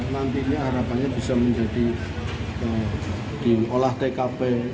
nanti ini harapannya bisa menjadi diolah tkp